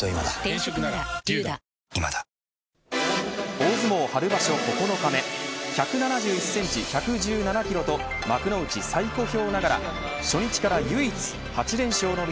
大相撲春場所９日目１７１センチ、１１７キロと幕内最小兵ながら初日から唯一８連勝の翠